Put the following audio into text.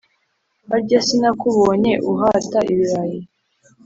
harya sinakubonye uhata ibirayi!’